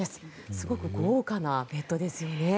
すごく豪華なベッドですよね。